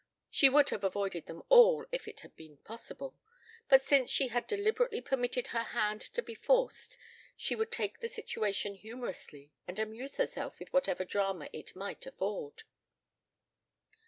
She would have avoided them all if it had been possible, but since she had deliberately permitted her hand to be forced she would take the situation humorously and amuse herself with whatever drama it might afford.